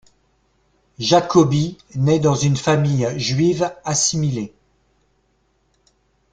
Jacobi naît dans une famille juive assimilée.